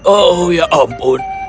oh ya ampun